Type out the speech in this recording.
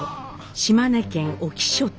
島根県隠岐諸島。